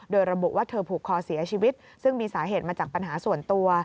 โดยระบุว่าเธอผูกคอเสียชีวิตซึ่งมีสาเหตุมาจากปัญหาส่วนตัว